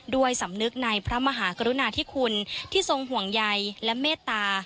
ด้วยสำนึกในพระมหากรุณาธิคุณที่ทรงห่วงใยและเมตตา